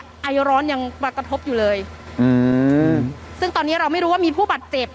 ไอร้อนยังมากระทบอยู่เลยอืมซึ่งตอนนี้เราไม่รู้ว่ามีผู้บาดเจ็บ